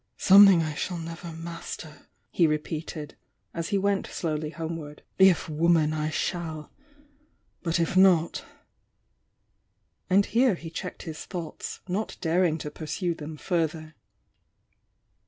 "Something I shall never master!" he repeated, as he went dowly homeward. "If woman I shall!— but if not ",. And here he checked his thoughts, not daring to pursue them further.